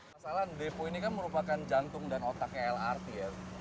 masalah depo ini kan merupakan jantung dan otaknya lrt ya